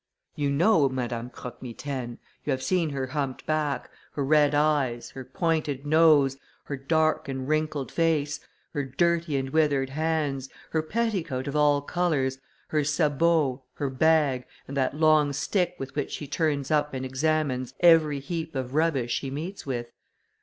You know Madame Croque Mitaine. You have seen her humped back, her red eyes, her pointed nose, her dark and wrinkled face, her dirty and withered hands, her petticoat of all colours, her sabots, her bag, and that long stick with which she turns up and examines every heap of rubbish she meets with.